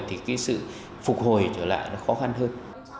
thì cái sự phục hồi trở lại nó khó khăn hơn